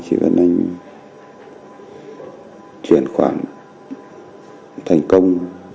chị vân anh chuyển khoản thành công